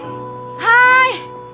はい！